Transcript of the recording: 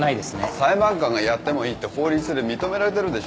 裁判官がやってもいいって法律で認められてるでしょ。